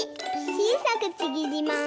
ちいさくちぎります。